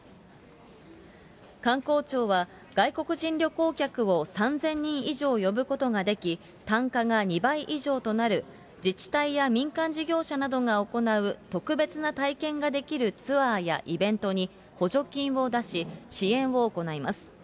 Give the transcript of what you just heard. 観光庁は、外国人旅行客を３０００人以上呼ぶことができ、単価が２倍以上となる、自治体や民間事業者などが行う特別な体験ができるツアーやイベントに補助金を出し、支援を行います。